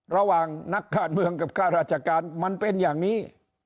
ระหว่างนักการเมืองกับข้าราชการมันเป็นอย่างนี้